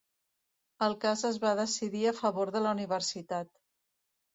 El cas es va decidir a favor de la universitat.